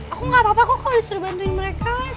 aku gak apa apa kok kok disuruh bantuin mereka